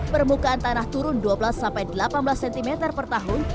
permukaan tanah turun dua belas sampai delapan belas cm per tahun